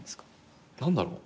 何だろう。